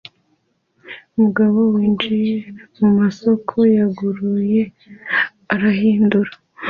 Umugabo winjiye mumasoko yuguruye arahindura